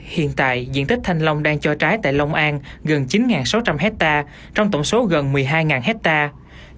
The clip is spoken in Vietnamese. hiện tại diện tích thanh long đang cho trái tại long an gần chín sáu trăm linh hectare trong tổng số gần một mươi hai hectare